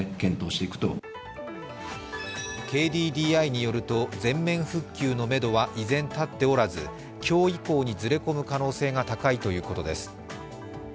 ＫＤＤＩによると、全面復旧のめどは依然立っておらず、今日以降にずれ込む可能性が高いということです。